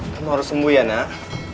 kamu harus sembuh ya nak